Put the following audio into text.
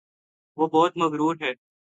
وہ بہت مغرور ہےـ